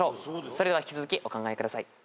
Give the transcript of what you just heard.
それでは引き続きお考えください。